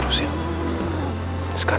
aku akan mencari kamu